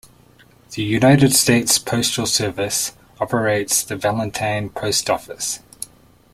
The United States Postal Service operates the Valentine Post Office.